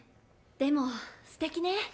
でも、すてきね。